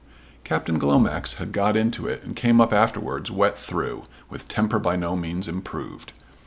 Captain Glomax had got into it and came up afterwards wet through, with temper by no means improved.